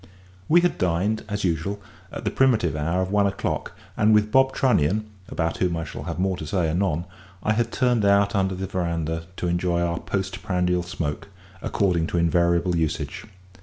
We had dined, as usual, at the primitive hour of one o'clock; and with Bob Trunnion about whom I shall have more to say anon I had turned out under the verandah to enjoy our post prandial smoke, according to invariable usage.